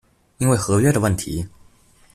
因為合約的問題